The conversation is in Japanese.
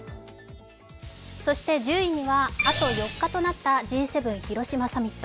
１０位には、あと４日となったＧ７広島サミット。